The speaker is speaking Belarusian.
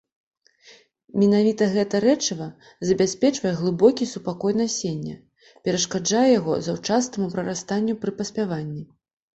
Менавіта гэта рэчыва забяспечвае глыбокі супакой насення, перашкаджае яго заўчаснаму прарастанню пры паспяванні.